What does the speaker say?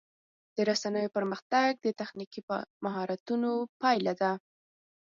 د رسنیو پرمختګ د تخنیکي مهارتونو پایله ده.